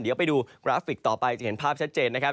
เดี๋ยวไปดูกราฟิกต่อไปจะเห็นภาพชัดเจนนะครับ